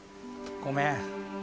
ごめん。